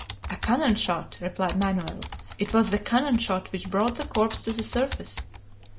"A cannon shot!" replied Manoel. "It was the cannon shot which brought the corpse to the surface."